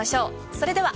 それでは。